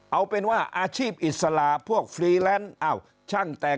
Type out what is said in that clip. เอาเป็นว่าอาชีพอิสระพวกฟรีแลนซ์